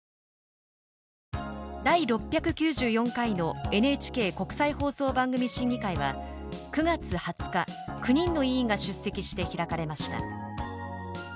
第６９４回のＮＨＫ国際放送番組審議会は９月２０日９人の委員が出席して開かれました。